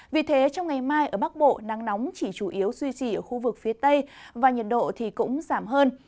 vì thế trong ngày mai ở bắc bộ nắng nóng chỉ chủ yếu duy trì ở khu vực phía tây và nhiệt độ cũng giảm hơn